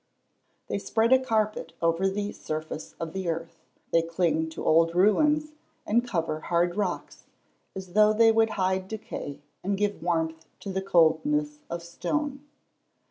They spread a carpet over the surface of the earth; they cling to old ruins, and cover hard rocks, as though they would hide decay, and give warmth to the coldness of stone.